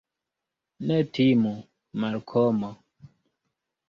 Ne timu, Malkomo.